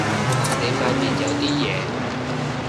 你塊面有啲嘢